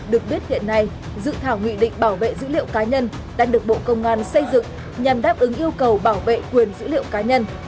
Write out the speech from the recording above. được biết hiện nay dự thảo nghị định bảo vệ dữ liệu cá nhân đang được bộ công an xây dựng nhằm đáp ứng yêu cầu bảo vệ quyền dữ liệu cá nhân